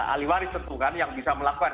ahli waris tentu kan yang bisa melakukan